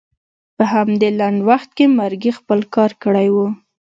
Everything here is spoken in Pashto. په همدې لنډ وخت کې مرګي خپل کار کړی و.